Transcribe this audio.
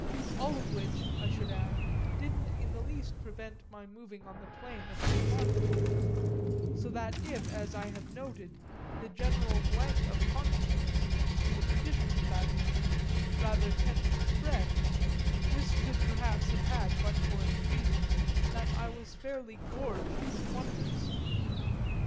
All of which, I should add, didn't in the least prevent my moving on the plane of the remarkable; so that if, as I have noted, the general blank of consciousness, in the conditions of that winter, rather tended to spread, this could perhaps have but had for its best reason that I was fairly gorged with wonders.